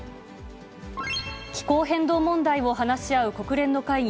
気候変動問題を話し合う国連の会議